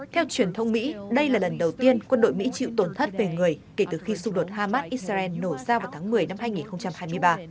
theo truyền thông mỹ đây là lần đầu tiên quân đội mỹ chịu tổn thất về người kể từ khi xung đột hamas israel nổ ra vào tháng một mươi năm hai nghìn hai mươi ba